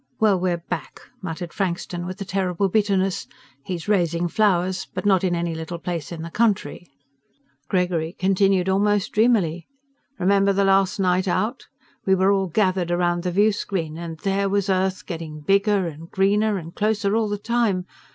"Well, we're back," muttered Frankston, with a terrible bitterness. "He's raising flowers, but not in any little place in the country." Gregory continued almost dreamily, "Remember the last night out? We were all gathered around the viewscreen. And there was Earth, getting bigger and greener and closer all the time.